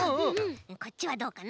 こっちはどうかな？